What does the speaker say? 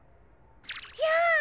じゃあ！